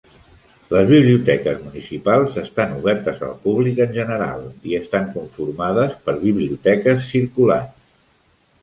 Les biblioteques municipals estan obertes al públic en general i estan conformades per biblioteques circulants.